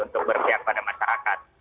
untuk berpihak pada masyarakat